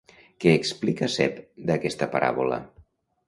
Què explica Sepp d'aquesta paràbola?